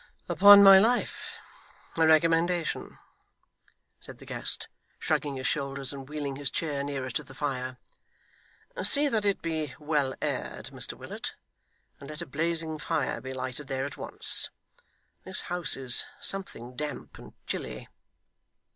'Upon my life, a recommendation!' said the guest, shrugging his shoulders and wheeling his chair nearer to the fire. 'See that it be well aired, Mr Willet, and let a blazing fire be lighted there at once. This house is something damp and chilly.